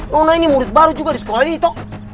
nona ini murid baru juga di sekolah ini tok